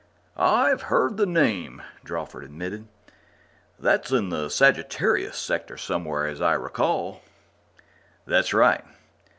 "I've heard the name," Drawford admitted. "That's in the Sagittarius Sector somewhere, as I recall." "That's right.